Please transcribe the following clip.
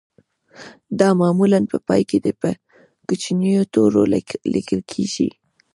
دا معمولاً په پای کې په کوچنیو تورو لیکل کیږي